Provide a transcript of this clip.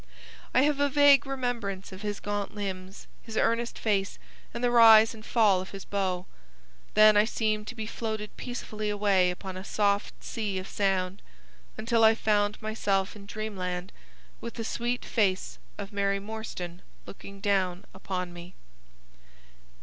I have a vague remembrance of his gaunt limbs, his earnest face, and the rise and fall of his bow. Then I seemed to be floated peacefully away upon a soft sea of sound, until I found myself in dreamland, with the sweet face of Mary Morstan looking down upon me.